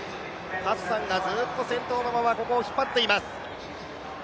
ハッサンがずっと先頭のまま、ここを引っ張っています。